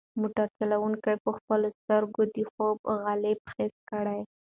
موټر چلونکی په خپلو سترګو کې د خوب غلبه حس کړه.